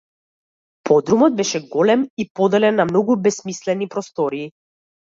Подрумот беше голем и поделен на многу бесмислени простории.